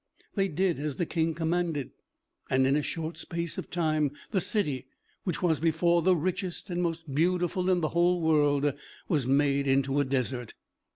They did as the King commanded, and in a short space of time the city, which was before the richest and most beautiful in the whole world, was made into a desert.